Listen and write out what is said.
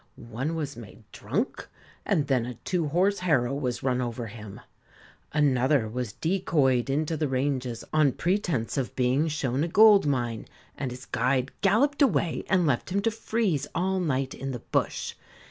One was made drunk, and then a two horse harrow was run over him; another was decoyed into the ranges on pretence of being shown a gold mine, and his guide galloped away and left him to freeze all night in the bush.